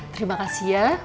terima kasih ya